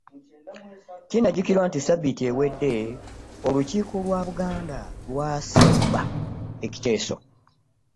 Kinajjukirwa nti Ssabbiiti ewedde olukiiko lwa Buganda lwasemba ekiteeso.